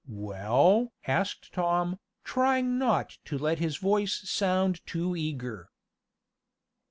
"Well?" asked Tom, trying not to let his voice sound too eager.